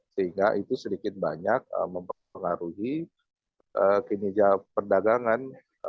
sehingga itu sedikit banyak mempengaruhi kinerja perdagangan